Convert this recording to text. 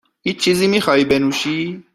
هیچ چیزی میخواهی بنوشی؟